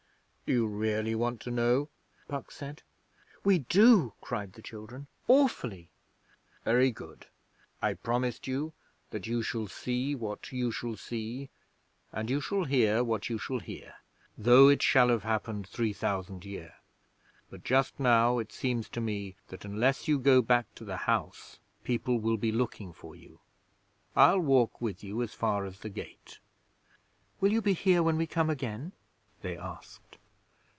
'Do you really want to know?' Puck said. 'We do,' cried the children. 'Awfully!' 'Very good. I promised you that you shall see What you shall see, and you shall hear What you shall hear, though It shall have happened three thousand year; but just now it seems to me that, unless you go back to the house, people will be looking for you. I'll walk with you as far as the gate.' 'Will you be here when we come again?' they asked.